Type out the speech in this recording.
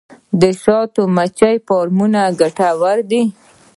د شاتو مچیو فارمونه ګټور دي